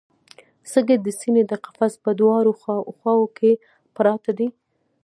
سږي د سینې د قفس په دواړو خواوو کې پراته دي